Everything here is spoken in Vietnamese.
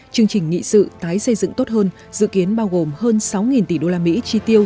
chương trình nghị sự tái xây dựng tốt hơn dự kiến bao gồm hơn sáu tỷ usd chi tiêu